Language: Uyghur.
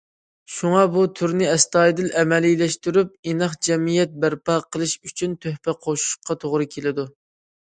شۇڭا بۇ تۈرنى ئەستايىدىل ئەمەلىيلەشتۈرۈپ، ئىناق جەمئىيەت بەرپا قىلىش ئۈچۈن تۆھپە قوشۇشقا توغرا كېلىدۇ.